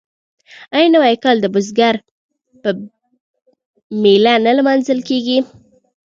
آیا نوی کال د بزګر په میله نه لمانځل کیږي؟